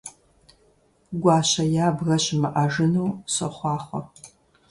Гуащэ ябгэ щымыӀэжыну сохъуахъуэ!